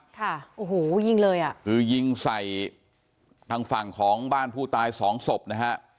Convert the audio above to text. ค่ะโอ้โหยิงเลยอ่ะคือยิงใส่ทางฝั่งของบ้านผู้ตายสองศพนะฮะ